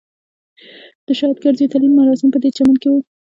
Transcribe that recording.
د شهید کرزي تلین مراسم په دې چمن کې وو.